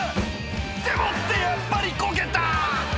「でもってやっぱりこけた！」